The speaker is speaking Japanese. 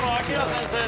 先生